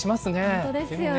本当ですよね。